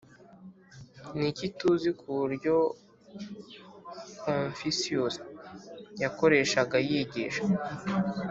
ni iki tuzi ku buryo confucius yakoreshaga yigisha?